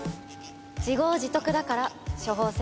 自業自得だから処方箋はない。